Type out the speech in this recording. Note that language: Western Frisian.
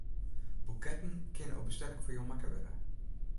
Boeketten kinne op bestelling foar jo makke wurde.